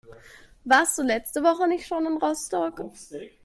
Warst du letzte Woche nicht schon in Rostock?